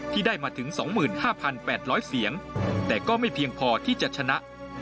ที่ได้มาถึง๒๕๘๐๐เสียงแต่ก็ไม่เพียงพอที่จะชนะ